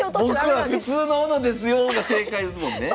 僕のは普通の斧ですよが正解ですもんね。